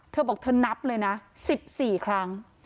เธอบอกเธอนับเลยนะ๑๔ครั้ง